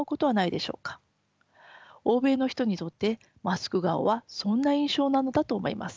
欧米の人にとってマスク顔はそんな印象なのだと思います。